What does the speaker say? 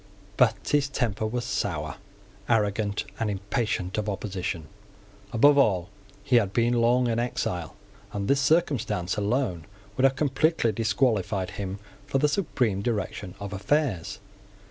But his temper was sour, arrogant, and impatient of opposition. Above all, he had been long an exile; and this circumstance alone would have completely disqualified him for the supreme direction of affairs.